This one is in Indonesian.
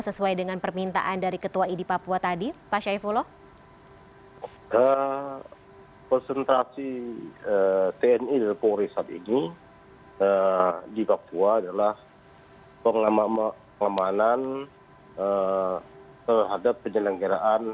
sesuai dengan permintaan dari ketua idi papua tadi